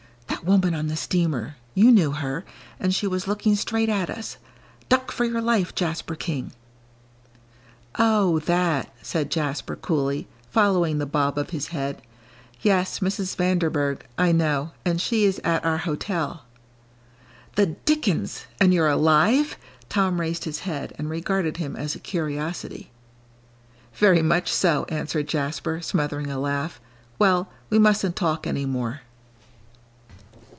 "That woman on the steamer you knew her and she was looking straight at us. Duck for your life, Jasper King!" "Oh, that," said Jasper, coolly, following the bob of his head. "Yes, Mrs. Vanderburgh, I know; and she is at our hotel." "The dickens! And you're alive!" Tom raised his head and regarded him as a curiosity. "Very much so," answered Jasper, smothering a laugh; "well, we mustn't talk any more."